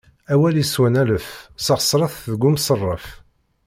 Awal yeswan alef, sexseṛeɣ-t deg umṣeṛṛef.